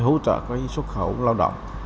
hỗ trợ xuất khẩu lao động